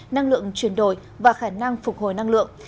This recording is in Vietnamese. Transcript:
năng lượng chuyển đổi và khả năng phục hồi năng lượng